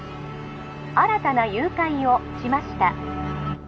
☎新たな誘拐をしました